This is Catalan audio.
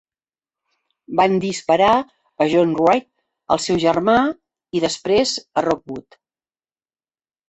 Van disparar a John Wright, al seu germà i després a Rookwood.